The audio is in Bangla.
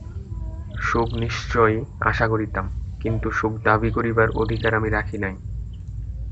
সুখ নিশ্চয়ই আশা করিতাম, কিন্তু সুখ দাবি করিবার অধিকার আমি রাখি নাই।